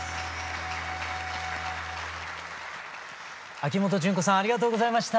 秋元順子さんありがとうございました。